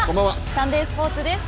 サンデースポーツです。